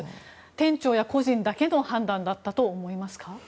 店長や個人だけの判断だったと思いますか。